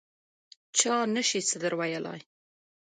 چا نه شي څه در ویلای.